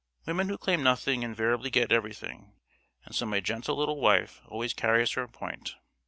Women who claim nothing invariably get everything, and so my gentle little wife always carries her point.